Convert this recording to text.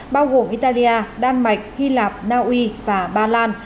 bao gồm italia đan mạch hy lạp naui và ba lan